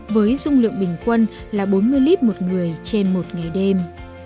với dung lượng bình quân là bốn mươi lít một người trên một ngày đêm